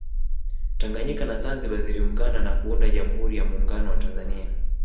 Tanganyika na Zanzibar ziliungana na kuunda Jamhuri ya Muungano wa Tanzania